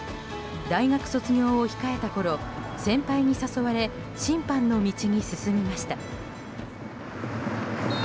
大学卒業を控えたころ先輩に誘われ審判の道に進みました。